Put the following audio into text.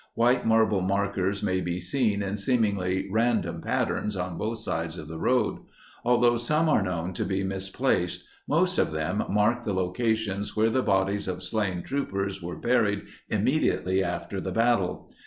White marble markers may be seen in seem ingly random pattern on both sides of the road. Although some are known to be mis placed, most of them mark the locations where the bod ies of slain troopers were bur ied immediately after the bat tle.